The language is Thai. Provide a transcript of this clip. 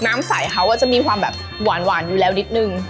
น้ำใสเขาก็จะมีความแบบหวานอยู่แล้วนิดนึง